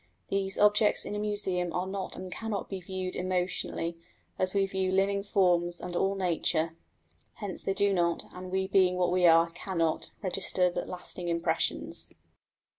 These objects in a museum are not and cannot be viewed emotionally, as we view living forms and all nature; hence they do not, and we being what we are, cannot, register lasting impressions.